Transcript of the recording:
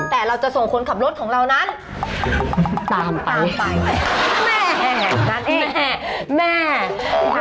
แต่เราจะส่งคนขับรถของเรานั้นตามไปแม่แม่แม่